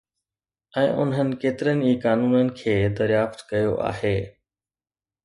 ۽ انهن ڪيترن ئي قانونن کي دريافت ڪيو آهي